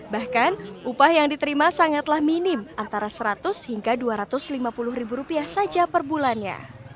bahkan upah yang diterima sangatlah minim antara seratus hingga dua ratus lima puluh ribu rupiah saja per bulannya